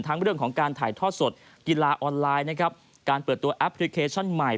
เรื่องของการถ่ายทอดสดกีฬาออนไลน์นะครับการเปิดตัวแอปพลิเคชันใหม่